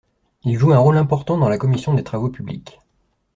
Il joue un rôle important dans la Commission des Travaux publics.